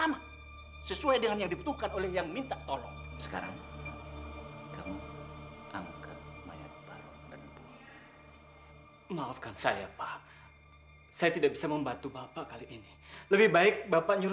mayat baron ada di belakang kamu